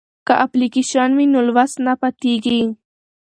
که اپلیکیشن وي نو لوست نه پاتیږي.